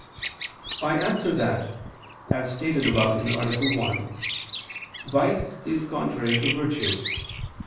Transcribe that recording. I answer that, As stated above (A. 1), vice is contrary to virtue.